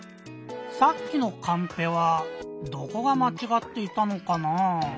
さっきのカンペはどこがまちがっていたのかな？